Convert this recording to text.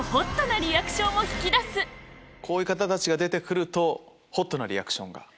こういう方たちが出るとホットなリアクションが。